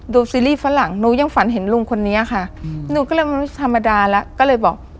ซีรีส์ฝรั่งหนูยังฝันเห็นลุงคนนี้ค่ะหนูก็เลยธรรมดาแล้วก็เลยบอก